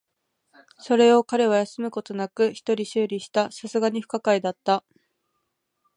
それを彼は休むことなく一人修理した。流石に不可解だった。